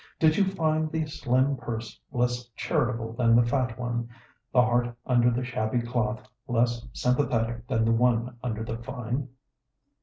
Did you find the slim purse less charitable than the fat one, the heart under INTRODUCTION 9 the shabby cloth less sympathetic than the one under the fine?